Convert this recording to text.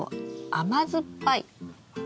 甘酸っぱい。